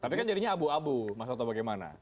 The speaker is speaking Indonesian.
tapi kan jadinya abu abu mas toto bagaimana